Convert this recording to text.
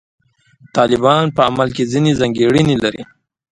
طالبان په عمل کې ځینې ځانګړنې لري.